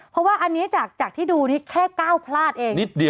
เพราะว่าอันนี้จากที่ดูนี่แค่ก้าวพลาดเอง